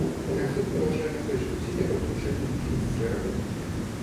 Однако Суд продолжает настойчивые усилия по повышению эффективности своей работы.